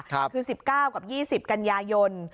คือ๑๙กับ๒๐กันยายน